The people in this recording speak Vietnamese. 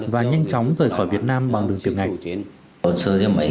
và nhanh chóng rời khỏi việt nam bằng đường tiểu ngạch